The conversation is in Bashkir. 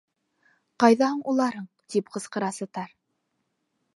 — Ҡайҙа һуң уларың? — тип ҡысҡыра Саттар.